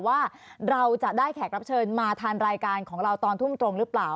ว่าเราจะได้แขกรับเชิญมาทานรายการของเราตอนทุ่มตรงหรือเปล่า